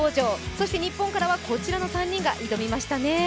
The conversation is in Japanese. そして日本からはこちらの３人が挑みましたね。